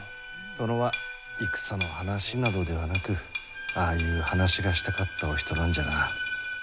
殿は戦の話などではなくああいう話がしたかったお人なんじゃな。